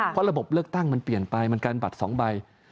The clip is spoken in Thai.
เพราะระบบเลือกตั้งมันเปลี่ยนไปมันการบัตร๒ใบ